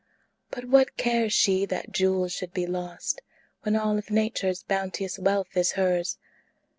But what cares she that jewels should be lost, When all of Nature's bounteous wealth is hers?